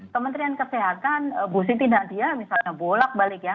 kementerian kesehatan bu siti nadia misalnya bolak balik ya